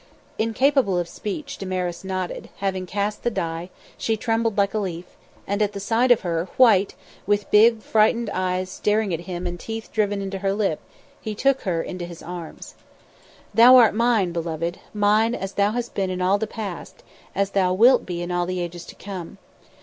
Incapable of speech, Damaris nodded; having cast the die, she trembled like a leaf; and at the sight of her, white, with big, frightened eyes staring at him and teeth driven into her lip, he took her in his arms. "Thou art mine, beloved, mine as thou hast been in all the past, as thou wilt be in all the ages to come.